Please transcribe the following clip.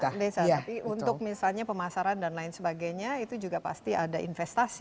tapi untuk misalnya pemasaran dan lain sebagainya itu juga pasti ada investasi